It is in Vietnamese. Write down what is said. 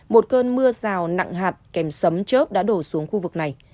một cơn mưa rào nặng hạt kèm sấm chớp đã đổ xuống khu vực này